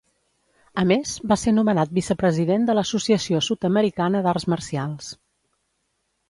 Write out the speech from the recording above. A més, va ser nomenat vicepresident de l'Associació Sud-americana d'Arts Marcials.